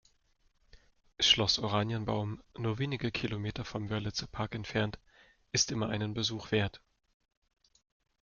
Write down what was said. Schloss Oranienbaum, nur wenige Kilometer vom Wörlitzer Park entfernt, ist immer einen Besuch wert.